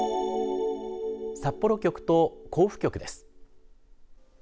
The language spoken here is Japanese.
札幌局と甲府局です。